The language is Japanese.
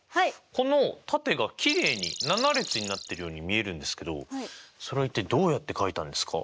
この縦がきれいに７列になっているように見えるんですけどそれは一体どうやって書いたんですか？